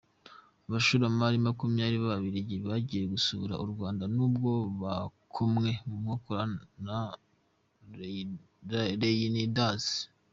Abashoramari makumyabiri b’Ababiligi bagiye gusura u Rwanda nubwo bakomwe mu nkokora na Reyinidazi